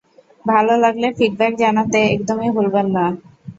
ভালো লাগলে ফিডব্যাক জানাতে একদমই ভুলবেন না।